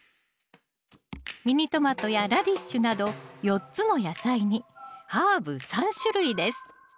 ミニトマトやラディッシュなど４つの野菜にハーブ３種類です